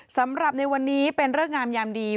สำหรับในวันนี้เป็นเริกงามยามดี